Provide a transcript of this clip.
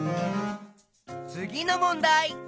つぎのもんだい。